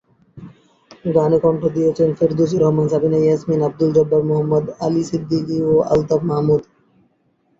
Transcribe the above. গানে কণ্ঠ দিয়েছেন ফেরদৌসী রহমান, সাবিনা ইয়াসমিন, আব্দুল জব্বার, মোহাম্মদ আলী সিদ্দিকী এবং আলতাফ মাহমুদ।